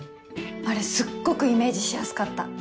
あれすっごくイメージしやすかった。